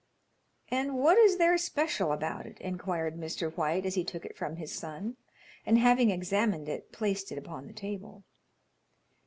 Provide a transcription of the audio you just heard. "And what is there special about it?" inquired Mr. White as he took it from his son, and having examined it, placed it upon the table.